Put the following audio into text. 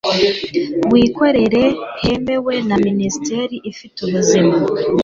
wikorera hemewe na minisiteri ifite ubuzima